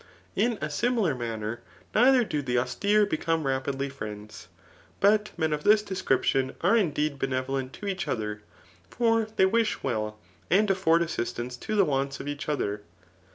In a similar man ner neither do the austere become rapidly friends* But men of this description are indeed benevolent to each other; for they wish well, and afford assistance to the wants of each other.